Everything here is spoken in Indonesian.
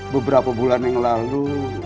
beberapa bulan yang lalu